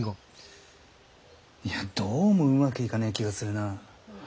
いやどうもうまくいかねぇ気がするなぁ。